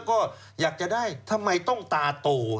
ก็อยากจะได้ทำไมต้องตาโต